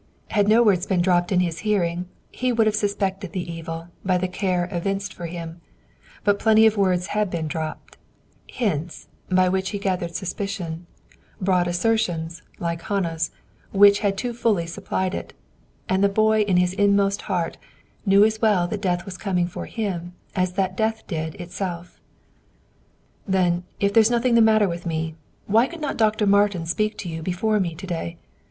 Had no words been dropped in his hearing, he would have suspected the evil, by the care evinced for him, but plenty of words had been dropped; hints, by which he had gathered suspicion; broad assertions, like Hannah's, which had too fully supplied it; and the boy in his inmost heart, knew as well that death was coming for him as that death itself did. "Then, if there's nothing the matter with me, why could not Dr. Martin speak to you before me to day?